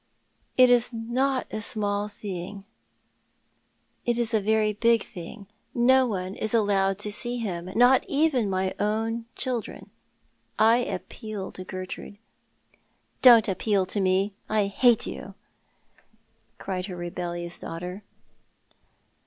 " It is not a small thing. It is a very big thing. No one is allowed to see him — not even my own children. I appeal to Gertrude." "Don't appeal to me. I hate you," cried her rebellious daughter.